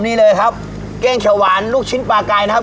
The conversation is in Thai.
นี่เลยครับเก้งเฉหวานลูกชิ้นปลากายนะครับ